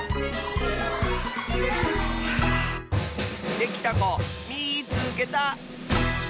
できたこみいつけた！